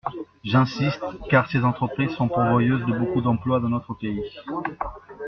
J’insiste car ces entreprises sont pourvoyeuses de beaucoup d’emplois dans notre pays.